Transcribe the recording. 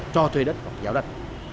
cho thuê đất hoặc giáo đất